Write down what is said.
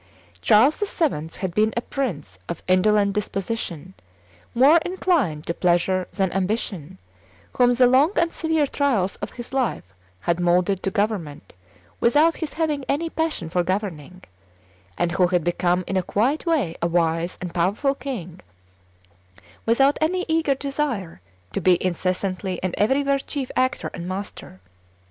Charles VII. had been a prince of indolent disposition, more inclined to pleasure than ambition, whom the long and severe trials of his life had moulded to government without his having any passion for governing, and who had become in a quiet way a wise and powerful king, without any eager desire to be incessantly and everywhere chief actor and master.